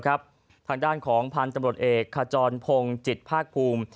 ทางด้านของพันธุ์ตำรวจเอกขจรพงศ์จิตภาคภูมิ